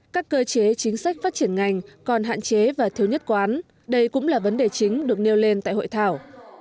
các cơ chế chính sách phát triển ngành còn hạn chế và thiếu nhất quán đây cũng là vấn đề chính được nêu lên tại hội thảo